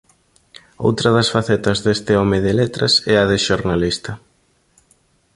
Outra das facetas deste home de letras é a de xornalista.